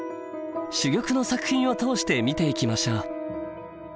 珠玉の作品を通して見ていきましょう。